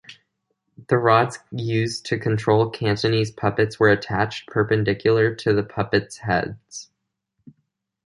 The rods used to control Cantonese puppets were attached perpendicular to the puppets' heads.